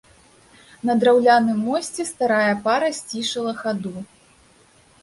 На драўляным мосце старая пара сцішыла хаду.